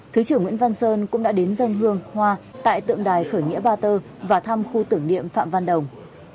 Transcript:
thứ trưởng nguyễn văn sơn cũng đã đến dân hương hoa tại tượng đài khởi nghĩa ba tơ và thăm khu tưởng niệm phạm văn đồng